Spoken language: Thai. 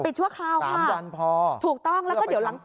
ปิดชั่วคราวค่ะถูกต้องแล้วเดี๋ยวที่ปิด๓วันพอ